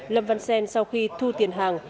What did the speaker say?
lâm văn sen sau khi thu tiền hàng